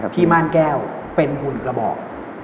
ม่านแก้วเป็นหุ่นกระบอก